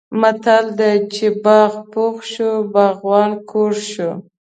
متل دی: چې باغ پوخ شو باغوان کوږ شو.